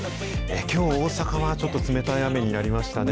きょう、大阪はちょっと冷たい雨になりましたね。